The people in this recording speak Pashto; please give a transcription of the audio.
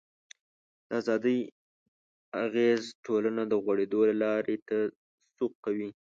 د ازادۍ اغېز ټولنه د غوړېدلو لارو ته سوق کوي.